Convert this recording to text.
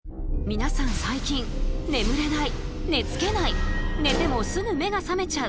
皆さん最近「眠れない」「寝つけない」「寝てもすぐ目が覚めちゃう」